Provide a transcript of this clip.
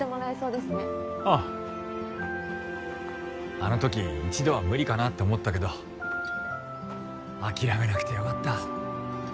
あの時一度は無理かなって思ったけどあきらめなくて良かった。